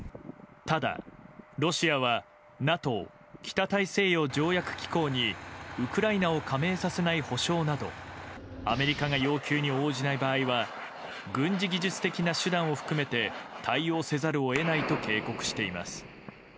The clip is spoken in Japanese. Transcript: ただ、ロシアはＮＡＴＯ・北大西洋条約機構にウクライナを加盟させない保証などアメリカが要求に応じない場合は軍事技術的な手段を含めて対応せざるを得ないと警告しています。